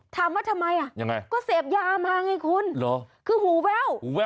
ถามว่าทำไมอ่ะยังไงก็เสพยามาไงคุณคือหูแว่ว